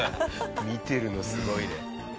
見てるのすごいね。